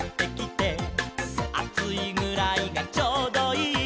「『あついぐらいがちょうどいい』」